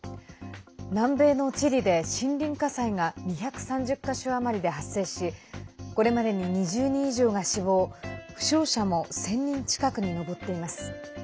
南米のチリで森林火災が２３０か所余りで発生しこれまでに２０人以上が死亡負傷者も１０００人近くに上っています。